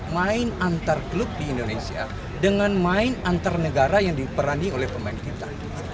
main antar klub di indonesia dengan main antar negara yang diperani oleh pemain kita